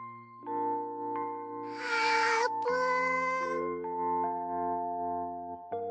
あーぷん。